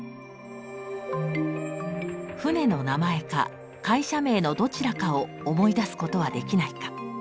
船の名前か会社名のどちらかを思い出すことはできないか。